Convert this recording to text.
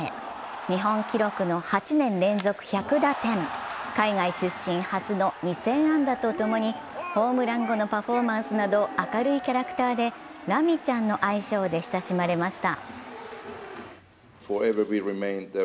日本記録の８年連続１００打点、海外出身初の２０００安打と共にホームラン後のパフォーマンスなど明るいキャラクターで、ラミちゃんの愛称で親しまれました。